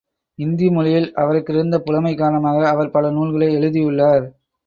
இந்தி மொழியில் அவருக்கிருந்த புலமை காரணமாக அவர் பல நூல்களை எழுதியுள்ளார்.